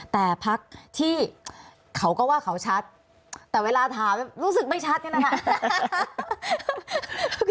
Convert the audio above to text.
แต่พักที่เขาก็ว่าเขาชัดแต่เวลาถามรู้สึกไม่ชัดเนี่ยนะคะ